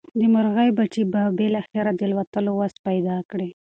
د مرغۍ بچي به بالاخره د الوتلو وس پیدا کړي.